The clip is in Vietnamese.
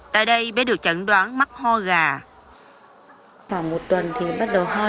tại đây bé được chẳng đoán mắc ho gà